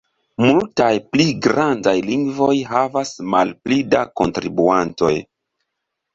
Multaj pli grandaj lingvoj havas malpli da kontribuantoj.